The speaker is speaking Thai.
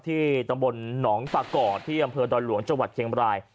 ตำบลหนองปาก่อที่อำเภอดอยหลวงจังหวัดเชียงบราย